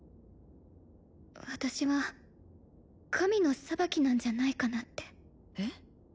私は神の裁きなんじゃないかなってえっ？